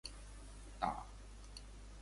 打